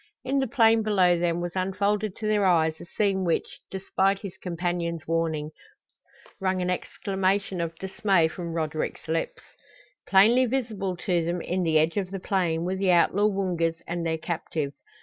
In the plain below them was unfolded to their eyes a scene which, despite his companion's warning, wrung an exclamation of dismay from Roderick's lips. [Illustration: The leader stopped in his snow shoes] Plainly visible to them in the edge of the plain were the outlaw Woongas and their captive.